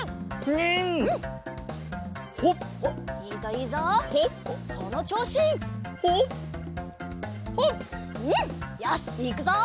うんよしいくぞ！